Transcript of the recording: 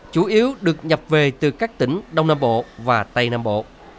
chủ yếu được nhập về từ các tỉnh đông nam bộ và tây nam bộ